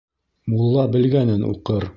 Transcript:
Мулла белгәнен уҡыр